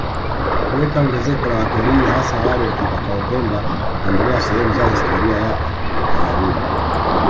Kuleta ongezeko la wataliii hasa wale watakaopenda kutembelea sehemu za historia ya utamaduni